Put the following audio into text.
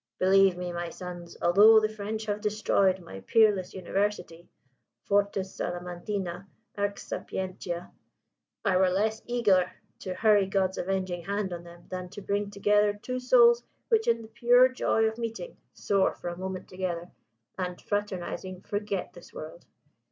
Believe me, my sons, although the French have destroyed my peerless University fortis Salamantina, arx sapientia I were less eager to hurry God's avenging hand on them than to bring together two souls which in the pure joy of meeting soar for a moment together, and, fraternising, forget this world.